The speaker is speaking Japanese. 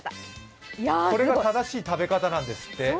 これが正しい食べ方なんですって。